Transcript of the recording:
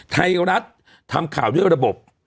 ไทยรัฐทำข่าวด้วยระบบ